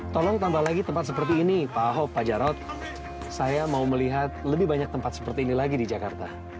tolong tambah lagi tempat seperti ini pak ahok pak jarod saya mau melihat lebih banyak tempat seperti ini lagi di jakarta